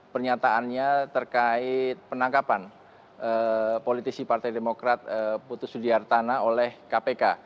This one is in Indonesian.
pernyataannya terkait penangkapan politisi partai demokrat putu sudiartana oleh kpk